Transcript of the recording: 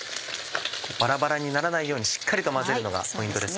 バラバラにならないようにしっかりと混ぜるのがポイントですね。